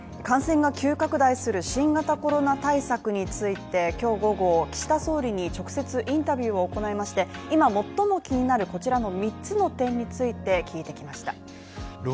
感染が急拡大する新型コロナ対策について、今日午後、岸田総理に直接インタビューを行いまして、今最も気になるこちらの三つの点について聞いてきました。